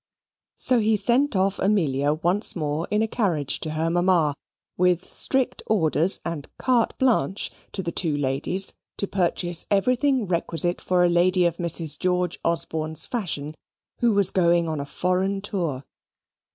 So he sent off Amelia once more in a carriage to her mamma, with strict orders and carte blanche to the two ladies to purchase everything requisite for a lady of Mrs. George Osborne's fashion, who was going on a foreign tour.